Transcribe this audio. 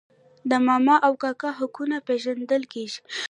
د ماما او کاکا حقونه پیژندل کیږي.